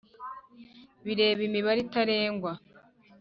bireba imibare itarengwa